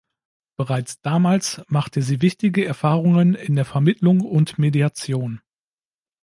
Bereits damals machte sie wichtige Erfahrungen in der Vermittlung und Mediation.